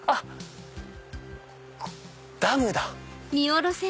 ダムだ。